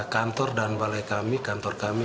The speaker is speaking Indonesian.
kantor dan balai kami kantor kami